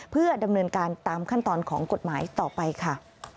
เพื่อดำเนินการตามขั้นตอนของกฎหมายต่อไปค่ะ